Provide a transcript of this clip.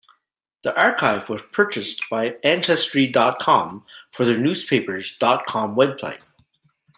The archive was purchased by Ancestry dot com for their newspapers dot com website.